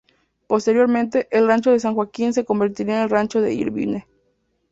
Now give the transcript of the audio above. Posteriormente, el rancho de San Joaquín se convertiría en el rancho de Irvine.